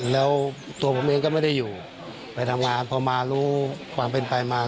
แล้วตัวผมเองก็ไม่ได้อยู่ไปทำงานพอมารู้ความเป็นไปมา